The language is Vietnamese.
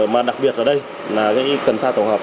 mà đặc biệt ở đây là cái cần sa tổng hợp